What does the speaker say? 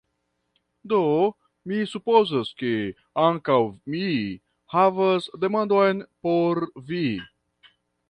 Do, mi supozas, ke ankaŭ mi havas demandon por vi!